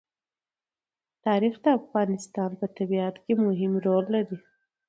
تاریخ د افغانستان په طبیعت کې مهم رول لري.